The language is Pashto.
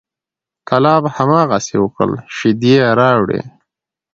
کلاب هماغسې وکړل، شیدې یې راوړې،